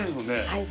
はい。